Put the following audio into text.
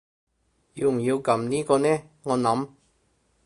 要唔要撳呢個呢我諗